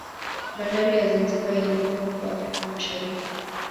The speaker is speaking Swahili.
Bandari ya Zanzibar ilikuwa kubwa Afrika Mashariki